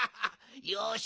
よし。